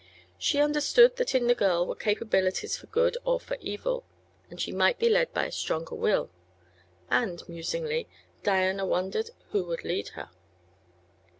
She understood that in the girl were capabilities for good or for evil, as she might be led by a stronger will. And, musingly, Diana wondered who would lead her.